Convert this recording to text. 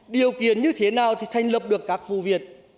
điều kiện như thế nào thì thành lập được các vù viện